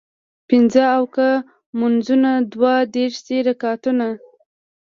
پينځۀ اوکه مونځونه دوه دېرش دي رکعتونه